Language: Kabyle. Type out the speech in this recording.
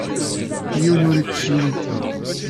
Yiwen ur yetteddu yid-sen.